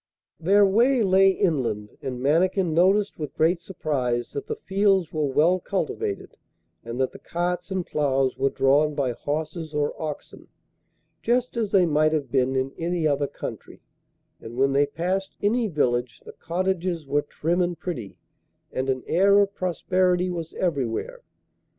Their way lay inland, and Mannikin noticed with great surprise that the fields were well cultivated and that the carts and ploughs were drawn by horses or oxen, just as they might have been in any other country, and when they passed any village the cottages were trim and pretty, and an air of prosperity was everywhere.